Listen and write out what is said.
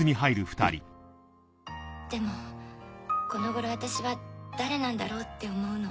でもこの頃私は誰なんだろうって思うの。